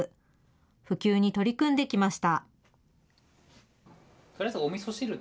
普及に取り組んできました。